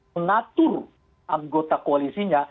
mengatur anggota koalisinya